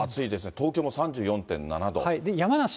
東京も３４．７度。